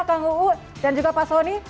kang uu dan juga pak soni